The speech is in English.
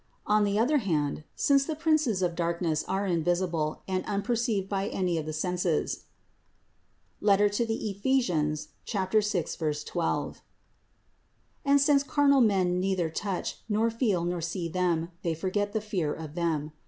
On the other hand, since the princes of darkness are invisible and unperceived by any of the senses (Ephes. 6, 12) and since carnal men neither touch, nor feel, nor see them, they forget the fear of them.